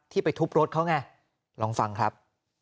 ไปทุบรถเขาไงลองฟังครับ